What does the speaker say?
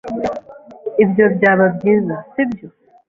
Ibyo byaba byiza, sibyo?